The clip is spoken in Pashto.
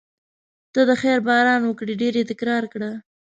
ته د خیر باران وکړې ډېر یې تکرار کړه.